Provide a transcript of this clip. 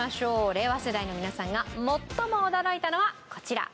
令和世代の皆さんが最も驚いたのはこちら。